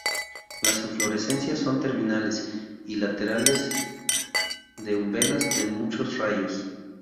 Las inflorescencias son terminales y laterales de umbelas de muchos rayos.